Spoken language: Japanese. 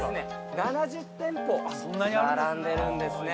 ７０店舗並んでるんですね。